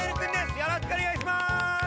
よろしくお願いします。